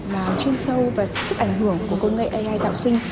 mà chuyên sâu và sức ảnh hưởng của công nghệ ai tạo sinh